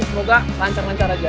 semoga lancar lancar aja